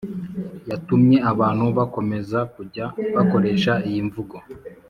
yatumye abantu bakomeza kujya bakoresha iyi mvugo